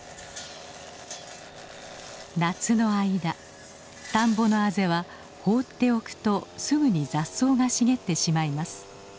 夏の間田んぼのあぜは放っておくとすぐに雑草が茂ってしまいます。